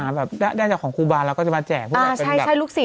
อ่ะได้จากของครูบาร์มแล้วก็จะมาแจกพูดแบบเป็นแบบอื้อใช่ลูกศีล